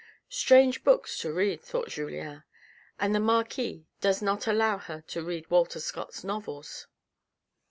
" Strange books to read," thought Julien ;" and the marquis does not allow her to read Walter Scott's novels